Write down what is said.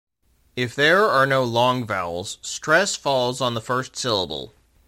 If there are no long vowels, stress falls on the first syllable.